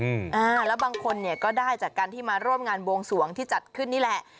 อืมอ่าแล้วบางคนเนี่ยก็ได้จากการที่มาร่วมงานบวงสวงที่จัดขึ้นนี่แหละ